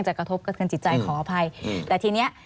ในส่วนของผู้สูญเสียเนอะ